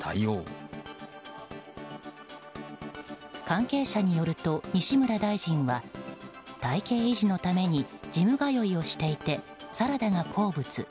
関係者によると、西村大臣は体形維持のためにジム通いをしていてサラダが好物。